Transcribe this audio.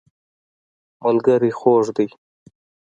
ملګری خوږ دی.